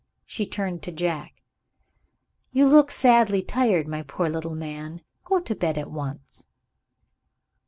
She turned to Jack. "You look sadly tired, my poor little man. Go to bed at once."